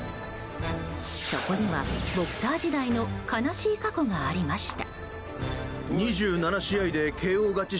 そこには、ボクサー時代の悲しい過去がありました。